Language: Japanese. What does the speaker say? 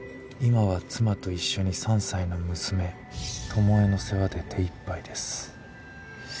「今は妻と一緒に３歳の娘朝絵の世話で手いっぱいです」。